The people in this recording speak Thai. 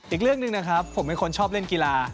อีกเรื่องหนึ่งนะครับผมเป็นคนชอบเล่นกีฬา